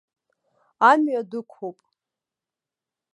Амҩа дықәуп.